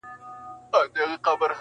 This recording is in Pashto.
خو کيسه نه ختمېږي هېڅکله-